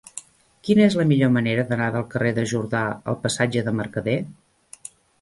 Quina és la millor manera d'anar del carrer de Jordà al passatge de Mercader?